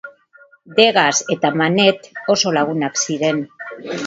Degas eta Manet oso lagunak ziren.